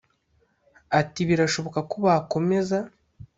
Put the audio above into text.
Ati “Birashoboka ko bakomeza